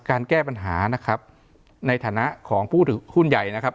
แก้ปัญหานะครับในฐานะของผู้ถือหุ้นใหญ่นะครับ